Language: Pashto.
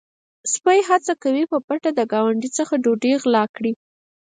سپی هڅه کوي چې په پټه د ګاونډي څخه ډوډۍ وغلا کړي.